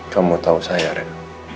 kamu tahu saya rek